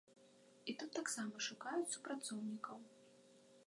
І тут таксама шукаюць супрацоўнікаў.